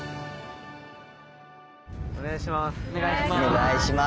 お願いします。